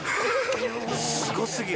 すごすぎる。